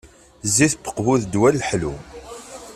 Zzit n Uqbu d ddwa ḥellu.